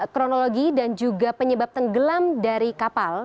kronologi dan juga penyebab tenggelam dari kapal